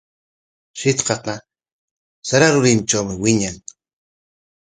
Shitqaqa sara rurintrawmi wiñan.